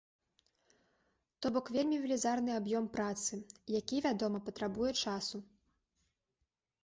То бок вельмі велізарны аб'ём працы, які, вядома, патрабуе часу.